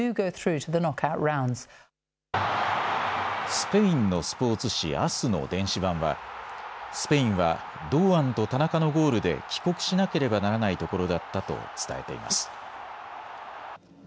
スペインのスポーツ紙、アスの電子版はスペインは堂安と田中のゴールで帰国しなければならないところだったと伝えています。